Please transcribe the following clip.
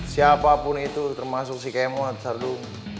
siapapun itu termasuk si kemo at sardung